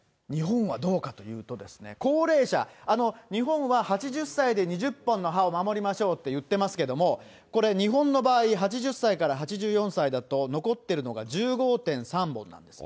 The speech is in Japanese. どうかというとですね、高齢者、日本は８０歳で２０本の歯を守りましょうっていってますけど、これ、日本の場合、８０歳から８４歳だと残ってるのが１５．３本なんです。